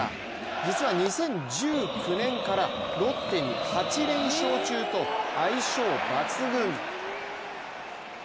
実は２０１９年からロッテに８連勝中と相性抜群。